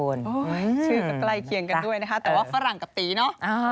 ชื่อก็ใกล้เคียงกันด้วยนะคะแต่ว่าฝรั่งกับตีเนอะ